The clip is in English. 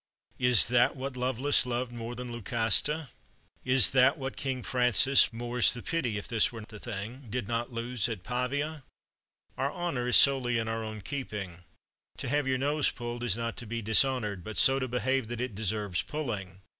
Is that what Lovelace loved more than Lucasta? Is that what King Francis more's the pity if this were the thing did not lose at Pavia! Our honor is solely in our own keeping. To have your nose pulled is not to be dishonored, but so to behave that it deserves pulling.